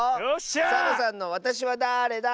サボさんの「わたしはだーれだ？」。